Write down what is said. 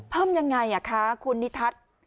เพิ่มยังไงคะคุณนิทัศน์